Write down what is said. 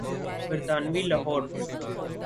برطانوی لاہور۔